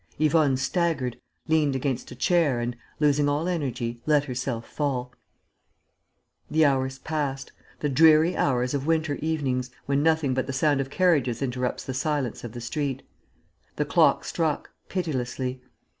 Yvonne staggered, leant against a chair and, losing all energy, let herself fall. The hours passed by, the dreary hours of winter evenings when nothing but the sound of carriages interrupts the silence of the street. The clock struck, pitilessly.